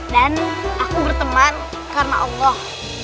dan aku berteman karena allah